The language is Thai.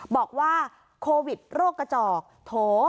บอกว่าโควิดโรคกระจอกโถ